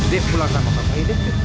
dev pulang sama papa ya dev